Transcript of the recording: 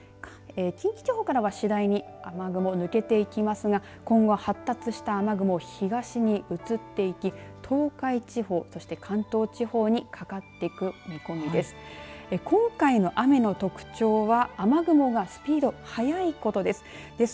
近畿地方曜からは次第に雨雲抜けていきますが今後は発達した雨雲東に移っていき東海地方、そして関東地方にかかっていく見込みです。